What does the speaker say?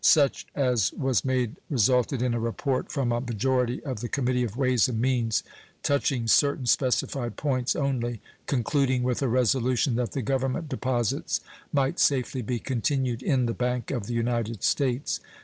Such as was made resulted in a report from a majority of the Committee of Ways and Means touching certain specified points only, concluding with a resolution that the Government deposits might safely be continued in the Bank of the United States.